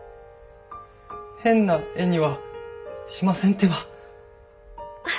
変な絵にはしませんってば。